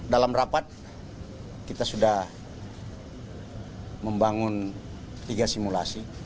dalam rapat kita sudah membangun tiga simulasi